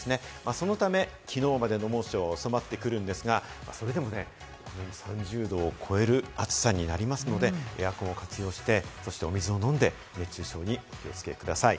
そのため、きのうまでの猛暑はおさまってくるんですが、それでもね、３０度を超える暑さになりますので、エアコンを活用して、そしてお水を飲んで熱中症にお気をつけください。